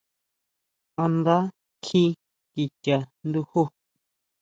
¿A nda kjí kicha nduju?